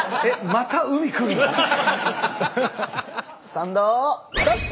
「サンドどっち」！